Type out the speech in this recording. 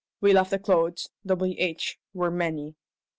We left the clothes, wh. were many.